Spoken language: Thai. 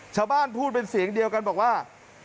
ชาวบ้านพูดเป็นเสียงเดียวกันบอกว่า